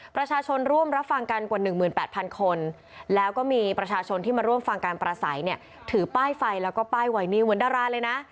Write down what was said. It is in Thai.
ประชาชนร่วมรับฟังกันกว่า๑๘๐๐คนแล้วก็มีประชาชนที่มาร่วมฟังการประสัยเนี่ยถือป้ายไฟแล้วก็ป้ายไวนิวเหมือนดาราเลยนะ